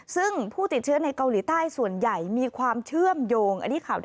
ซึ่งผู้ติดเชื้อในเกาหลีใต้ส่วนใหญ่มีความเชื่อมโยง